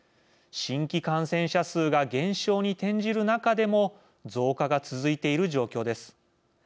新規感染者数が減少に転じる中でも増加が続いている状況です。